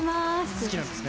好きなんですね。